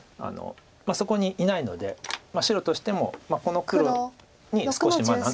そこにいないので白としてもこの黒に少し何というんですか。